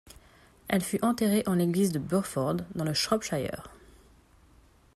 Elle fut enterrée en l'église de Burford dans le Shropshire.